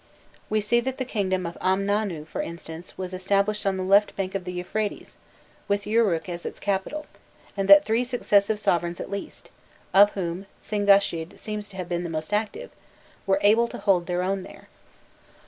We see that the kingdom of Amnanu, for instance, was established on the left bank of the Euphrates, with Uruk as its capital, and that three successive sovereigns at least of whom Singashid seems to have been the most active were able to hold their own there.